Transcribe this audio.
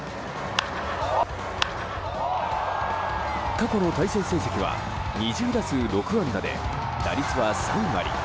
過去の対戦成績は２０打数６安打で打率は３割。